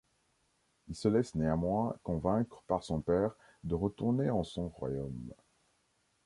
Il se laisse néanmoins convaincre par son père de retourner en son royaume.